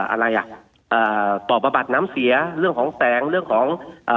อะไรอ่ะอ่าต่อประบัดน้ำเสียเรื่องของแสงเรื่องของอ่า